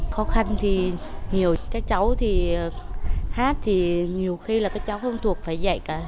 khó khăn thì nhiều các cháu thì hát thì nhiều khi là các cháu không thuộc phải dạy cả